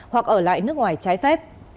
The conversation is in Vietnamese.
hoặc ở lại nước ngoài trái phép